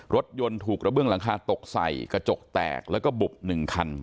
รถยนต์ถูกกระเบื้องหลังคาตกใส่กระจกแตกแล้วก็บุบหนึ่งคัน